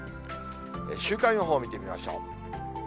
週間予報を見てみましょう。